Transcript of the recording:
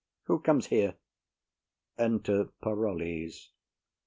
Who comes here? Enter Parolles.